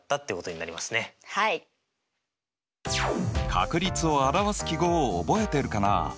確率を表す記号を覚えてるかな？